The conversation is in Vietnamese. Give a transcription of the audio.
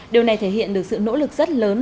điều này thể hiện được sự nỗ lực rất lớn